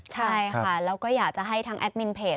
ใช่ค่ะแล้วก็อยากจะให้ทางแอดมินเพจ